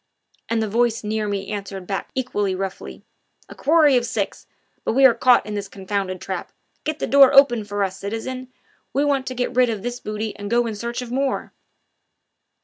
And the voice near me answered back equally roughly: "A quarry of six but we are caught in this confounded trap get the door open for us, citizen we want to get rid of this booty and go in search for more."